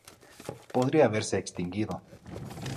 Podría haberse extinguido.